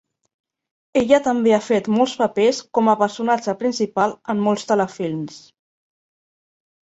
Ella també ha fet molts papers com a personatge principal en molts telefilms.